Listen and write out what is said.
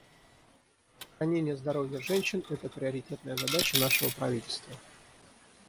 Сохранение здоровья женщин — это приоритетная задача нашего правительства.